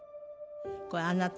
これあなた？